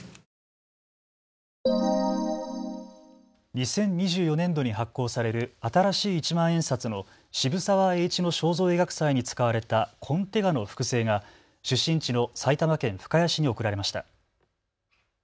２０２４年度に発行される新しい一万円札の渋沢栄一の肖像を描く際に使われたコンテ画の複製が出身地の埼玉県深谷市に贈られました。